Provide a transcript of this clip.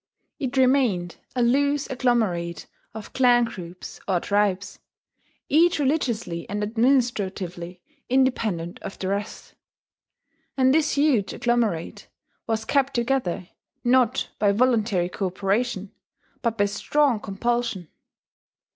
It remained a loose agglomerate of clan groups, or tribes, each religiously and administratively independent of the rest; and this huge agglomerate was kept together, not by voluntary cooperation, but by strong compulsion.